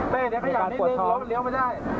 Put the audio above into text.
เดี๋ยวเดี๋ยวก็อยากนิดนึงรถเรียวไม่ได้